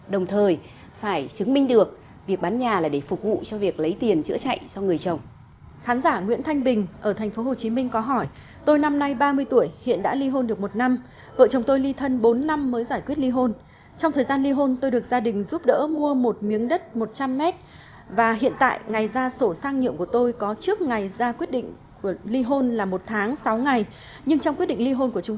đồng thời phải chứng minh được việc bán nhà là để phục vụ cho việc lấy tiền chữa chạy cho người chồng